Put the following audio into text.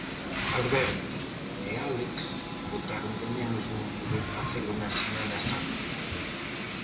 Alberto e Álex botaron de menos non poder facelo na Semana Santa.